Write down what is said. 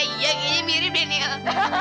iya kayaknya mirip deh niel